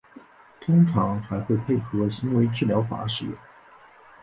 通常还会配合行为治疗法使用。